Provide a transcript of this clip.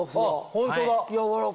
ホントだ！